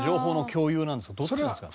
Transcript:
どっちなんですか？